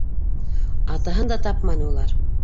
Атаһын да тапманы улар.